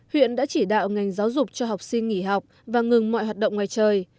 huyện đã chỉ đạo ngành giáo dục cho học sinh nghỉ học và ngừng mọi hoạt động ngoài trời